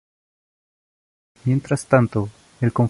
Mientras tanto, el conflicto de Gus con el Cártel se intensifica.